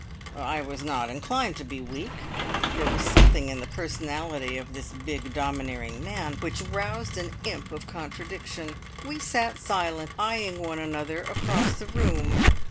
I was not inclined to be weak. There was something in the personality of this big domineering man which roused an imp of contradiction. We sat silent, eyeing one another across the room.